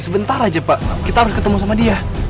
sebentar aja pak kita harus ketemu sama dia